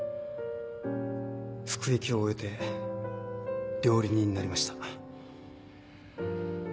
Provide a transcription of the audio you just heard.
服役を終えて料理人になりました。